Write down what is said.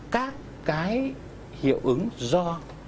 các cái hiệu ứng do